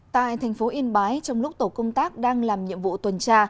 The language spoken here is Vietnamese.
tại thành phố yên bái trong lúc tổ công tác đang làm nhiệm vụ tuần tra